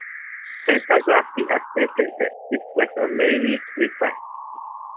Fantagraphics has stated that this was at Medley's request.